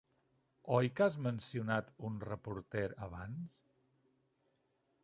Oi que has mencionat un reporter abans?